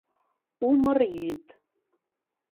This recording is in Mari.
Умыр йӱд.